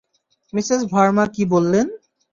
Mrs Verma কী বললেন?